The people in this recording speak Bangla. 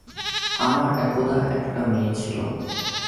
আমার একদা একটা মেয়ে ছিল।